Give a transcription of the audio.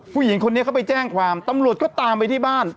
ผู้หญิงคนนี้เขาไปแจ้งความตำรวจก็ตามไปที่บ้าน